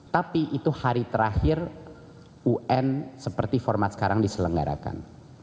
tapi itu hari terakhir un seperti format sekarang diselenggarakan